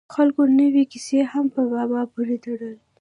خلکو نورې کیسې هم په بابا پورې تړل.